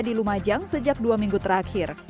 di lumajang sejak dua minggu terakhir